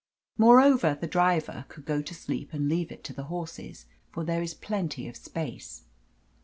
Moreover, the driver could go to sleep and leave it to the horses, for there is plenty of space.